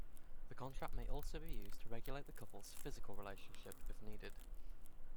The contract may also be used to regulate the couple's physical relationship, if needed.